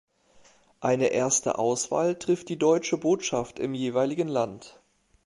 Eine erste Auswahl trifft die Deutsche Botschaft im jeweiligen Land.